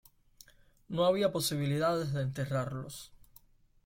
No había posibilidad de enterrarlos.